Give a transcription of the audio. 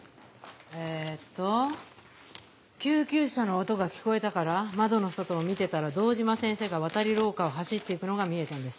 えっと「救急車の音が聞こえたから窓の外を見てたら堂島先生が渡り廊下を走って行くのが見えたんです。